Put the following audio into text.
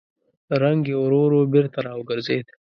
رنګ يې ورو ورو بېرته راوګرځېد.